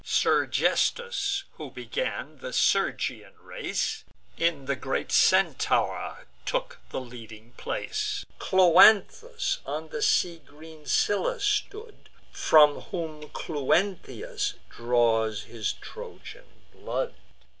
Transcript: Sergesthus, who began the Sergian race, In the great Centaur took the leading place; Cloanthus on the sea green Scylla stood, From whom Cluentius draws his Trojan blood.